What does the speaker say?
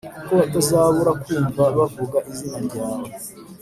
kuko batazabura kumva bavuga izina ryawe